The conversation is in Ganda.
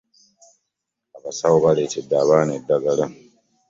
Abasawo baaleetede abaana eddagala.